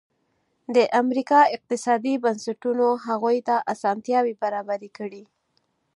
د امریکا اقتصادي بنسټونو هغوی ته اسانتیاوې برابرې کړې.